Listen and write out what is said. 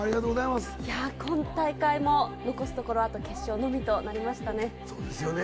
今大会も残すところ決勝のみとなりましたね。